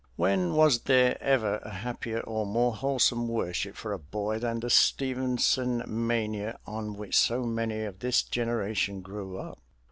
When was there ever a happier or more wholesome worship for a boy than the Stevenson mania on which so many of this generation grew up?